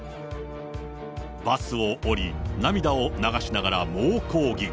バスを降り、涙を流しながら猛抗議。